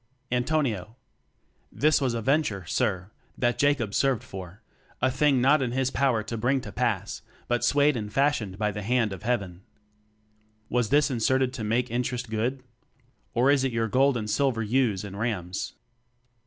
Antonio: This was a venture, sir, that Jacob served for; A thing not in his power to bring to pass, But sway'd and fashion'd by the hand of heaven. Was this inserted to make interest good? Or is your gold and silver ewes and rams?